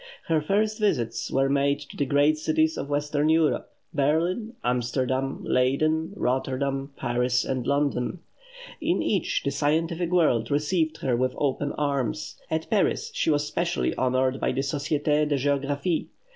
Her first visits were made to the great cities of Western Europe Berlin, Amsterdam, Leyden, Rotterdam, Paris, and London. In each the scientific world received her with open arms. At Paris she was specially honoured by the Société de Géographie.